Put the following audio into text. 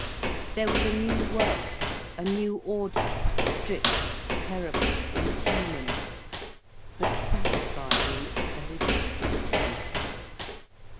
There was a new world, a new order, strict, terrible, inhuman, but satisfying in its very destructiveness.